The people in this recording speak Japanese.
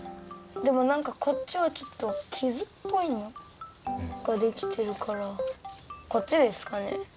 でもなんかこっちはちょっときずっぽいのができてるからこっちですかね？